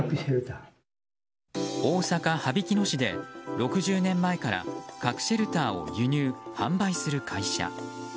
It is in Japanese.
大阪・羽曳野市で６０年前から核シェルターを輸入・販売する会社。